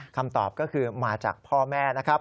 คำตอบก็คือมาจากพ่อแม่นะครับ